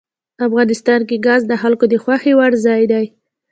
افغانستان کې ګاز د خلکو د خوښې وړ ځای دی.